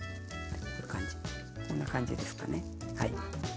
こんな感じですかね。